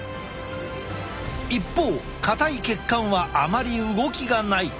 一方硬い血管はあまり動きがない。